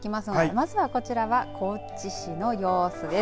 まずこちらは高知市の様子です。